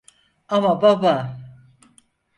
Ama baba!